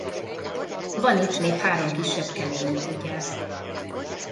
Van itt még három kisebb keményítő-gyár.